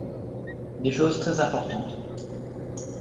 Des choses très importantes.